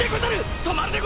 止まるでござる！